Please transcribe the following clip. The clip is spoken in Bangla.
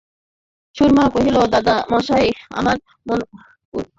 সুরমা কহিল, দাদামহাশয়, তোমার মনস্কামনা তো পূর্ণ হইল!